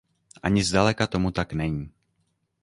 Ani zdaleka tomu tak není!